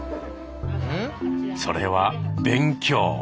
それは「勉強」。